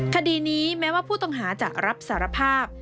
คดีนี้แม้ว่าผู้ต้องหาจะรับสารภาพ